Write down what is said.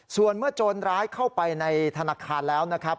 ส่วนเมื่อโจรร้ายเข้าไปในธนาคารแล้วนะครับ